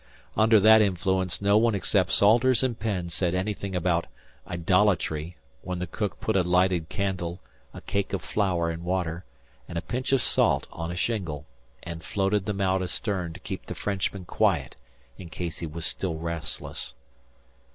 Under that influence no one except Salters and Penn said anything about "idolatry," when the cook put a lighted candle, a cake of flour and water, and a pinch of salt on a shingle, and floated them out astern to keep the Frenchman quiet in case he was still restless.